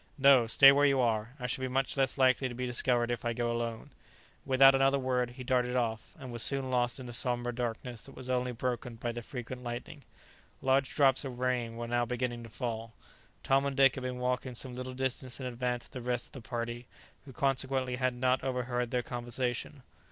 "No, stay where you are; I shall be much less likely to be discovered if I go alone." Without another word, he darted off, and was soon lost in the sombre darkness that was only broken by the frequent lightning. Large drops of rain were now beginning to fall. Tom and Dick had been walking some little distance in advance of the rest of the party, who consequently had not overheard their conversation.